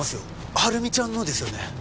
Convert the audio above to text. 晴美ちゃんのですよね？